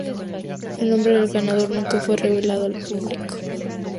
El nombre del ganador nunca fue revelado al público.